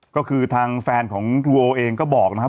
ก็คือทางแฟนของครูโอเองก็บอกนะฮะ